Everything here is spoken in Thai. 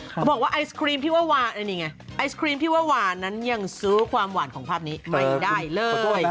เขาบอกว่าไอศครีมที่ว่าหวานอันนี้ไงไอศครีมที่ว่าหวานนั้นยังซื้อความหวานของภาพนี้ไม่ได้เลย